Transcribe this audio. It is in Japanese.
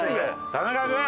田中君！